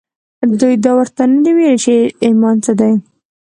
دوی دا ورته نه دي ویلي چې ایمان څه دی